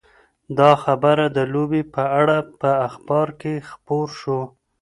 دا خبر د لوبې په اړه په اخبار کې خپور شو.